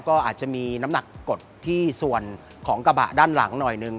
ก็อาจจะมีน้ำหนักกดที่ส่วนของกระบะด้านหลังหน่อยหนึ่ง